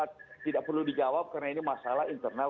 tidak perlu dijawab karena ini masalah internal